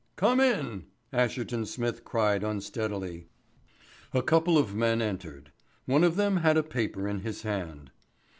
"Come in," Asherton Smith cried unsteadily. A couple of men entered. One of them had a paper in his hand.